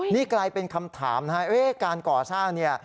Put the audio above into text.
นี่กลายเป็นคำถามนะฮะการก่อสร้างเนี่ย